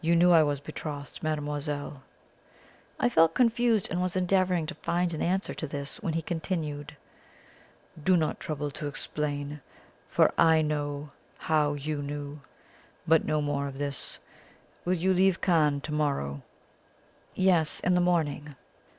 You knew I was betrothed, mademoiselle?" I felt confused, and was endeavouring to find an answer to this when he continued: "Do not trouble to explain, for I know how YOU knew. But no more of this. Will you leave Cannes to morrow?" "Yes. In the morning."